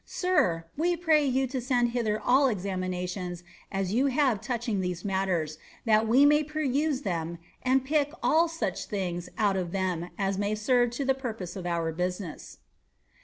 Sir. we pray you to smil hither all such examinations as you have touching these nuitlen, thai we may peruse them, and pick all such things out of them as ma^ serve to the purpose of our business.'"